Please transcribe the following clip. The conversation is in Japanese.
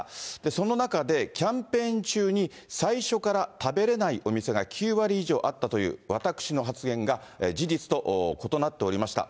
その中で、キャンペーン中に最初から食べれないお店が９割以上あったという私の発言が、事実と異なっておりました。